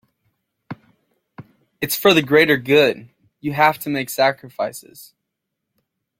It’s for the greater good, you have to make sacrifices.